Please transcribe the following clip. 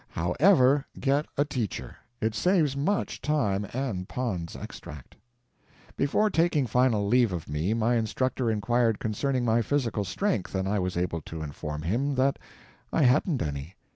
However, get a teacher; it saves much time and Pond's Extract. Before taking final leave of me, my instructor inquired concerning my physical strength, and I was able to inform him that I hadn't any.